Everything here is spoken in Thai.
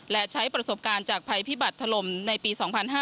และใช้ประสบการณ์จากภัยพิบัตรถล่มในปี๒๕๕๙